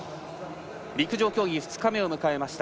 陸上競技２日目を迎えました。